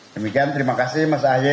demikian terima kasih mas ahy